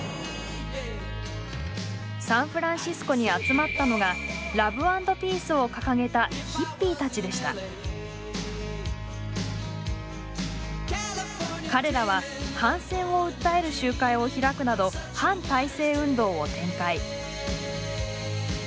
サンフランシスコに集まったのが「ラブ・アンド・ピース」を掲げた彼らは反戦を訴える集会を開くなど反体制運動を展開。